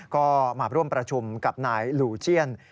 ก็มาร่วมประชุมกับนายลูเจียน